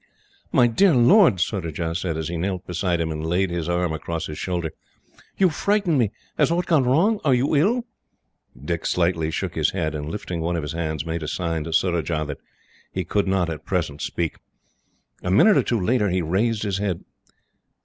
"My dear lord," Surajah said, as he knelt beside him and laid his arm across his shoulder, "you frighten me. Has aught gone wrong? Are you ill?" Dick slightly shook his head, and, lifting one of his hands, made a sign to Surajah that he could not, at present, speak. A minute or two later, he raised his head.